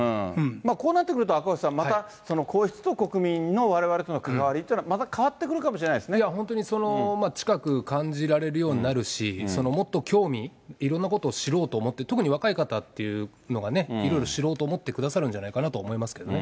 こうなってくると、赤星さん、また皇室と国民のわれわれとの関わりというのは、いや、本当に近く感じられるようになるし、もっと興味、いろんなことを知ろうと思って、特に若い方っていうのがね、いろいろ知ろうと思ってくださるんじゃないかと思いますけどね。